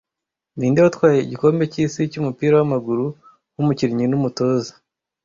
Ninde watwaye igikombe cyisi cyumupira wamaguru nkumukinnyi numutoza